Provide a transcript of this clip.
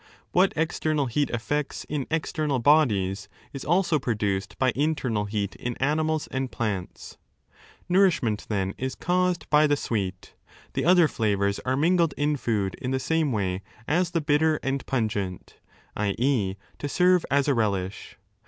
What external heat effects in external bodies, is also produced by internal heat in animals i6 and plants. Nourishment, then, is caused by the sweet. The other flavours are mingled in food in the same way as the bitter and pungent, i.e. to serve as a relish.